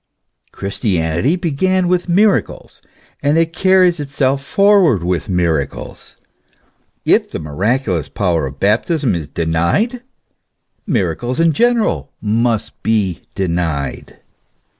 Christianity began with miracles, and it carries itself forward with miracles. If the miraculous power of baptism is denied, miracles in ge neral must be denied.